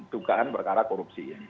dugaan perkara korupsi